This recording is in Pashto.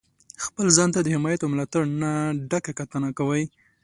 خپل ځان ته د حمایت او ملاتړ نه ډکه کتنه کوئ.